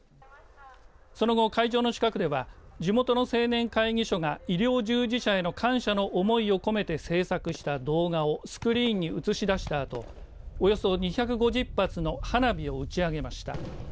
その後、会場の近くでは地元の青年会議所が医療従事者への感謝の思いを込めて制作した動画をスクリーンに映し出したあとおよそ２５０発の花火を打ち上げました。